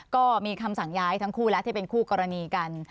ก็มีคำสั่งย้ายทั้งคู่แล้วที่เป็นคู่กรณีกัน